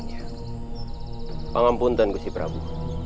pada saat ini pengampunan gusti prabu